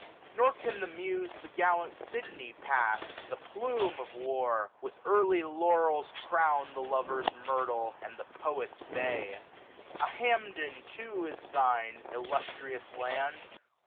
Nor can the Muse the gallant Sidney pass, 15 10 The plume of war ! with early laurels crownM, The Lover's myrtle, and the Poet's bay. A Hamden too is thine, illustrious land